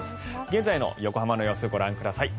現在の横浜の様子ご覧ください。